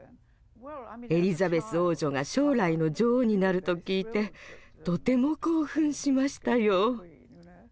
エリザベス王女が将来の女王になると聞いてとても興奮しましたよ。